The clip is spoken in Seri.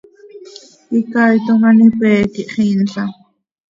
Icaaitom an ipé quih xiinla.